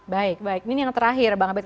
baik baik ini yang terakhir bang abed